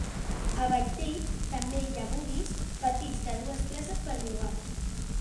A Vaitape també hi ha buggies petits de dues places per llogar.